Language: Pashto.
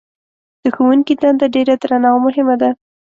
د ښوونکي دنده ډېره درنه او مهمه ده.